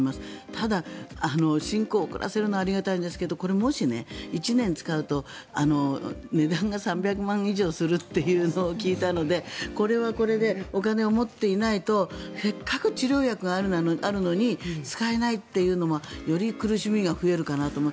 ただ、進行を遅らせるのはありがたいんですがもし、１年使うと値段が３００万円以上するというのを聞いたのでこれはこれでお金を持っていないとせっかく治療薬があるのに使えないというのもより苦しみが増えるかなと思う。